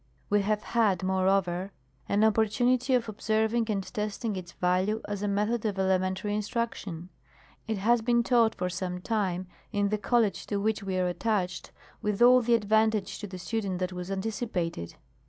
We have had, moreover, an opportunity of observing and testing its value as a method of Elementary Instruction. It has been taught fbr some time in the College to which we are attached, with all the advantage to the student that was anticipated.